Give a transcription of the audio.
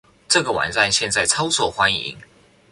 這個網站現在超受歡迎